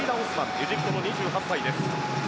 エジプトの２８歳です。